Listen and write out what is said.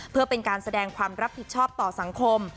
เพื่อเป็นการแสดงความรับผิดชอบต่อสังคม